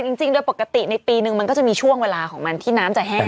จริงโดยปกติในปีนึงมันก็จะมีช่วงเวลาของมันที่น้ำจะแห้ง